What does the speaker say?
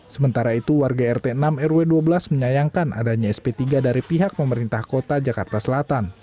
sementara itu warga rt enam rw dua belas menyayangkan adanya sp tiga dari pihak pemerintah kota jakarta selatan